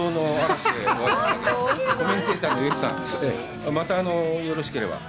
コメンテーターの吉さん、また、よろしければ。